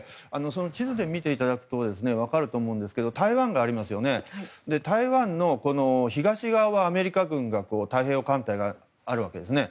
地図で見ていただくと分かるんですが台湾の東側はアメリカ軍の太平洋艦隊があるわけですね。